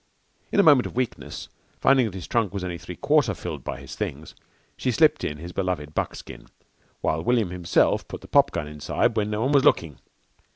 In a moment of weakness, finding that his trunk was only three quarter filled by his things, she slipped in his beloved buckskin, while William himself put the pop gun inside when no one was looking.